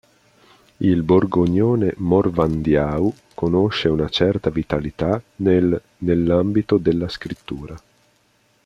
Il borgognone-morvandiau conosce una certa vitalità nel nell'ambito della scrittura.